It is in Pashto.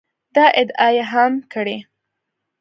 دا ادعا یې هم کړې